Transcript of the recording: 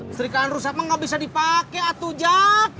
istrikan rusak mah gak bisa dipake atujad